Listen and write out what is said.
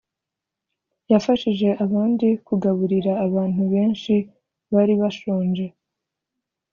yafashije abandi kugaburira abantu benshi bari bashonje